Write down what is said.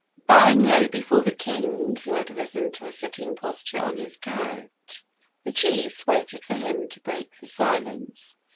Bowing low before the king, who had risen to a sitting posture on his couch, the chiefs waited for him to break the silence.